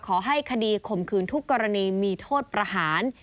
ขอให้คดีข่มขืนทุกกรณีมีโทษประหาร